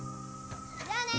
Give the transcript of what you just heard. じゃあね！